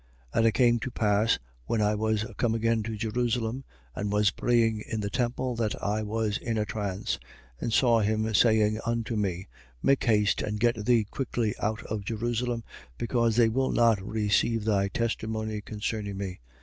22:17. And it came to pass, when I was come again to Jerusalem and was praying in the temple, that I was in a trance, 22:18. And saw him saying unto me: Make haste and get thee quickly out of Jerusalem: because they will not receive thy testimony concerning me.